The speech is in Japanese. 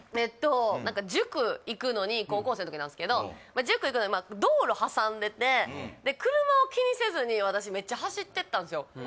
何か塾行くのに高校生の時なんですけど塾行くのに道路挟んでて車を気にせずに私めっちゃ走ってったんですよ